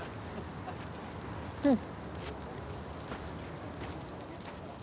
うん。